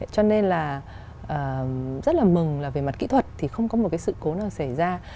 cho nên là rất là mừng là về mặt kỹ thuật thì không có một cái sự cố nào xảy ra